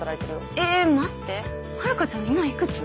え待って遥ちゃん今いくつ？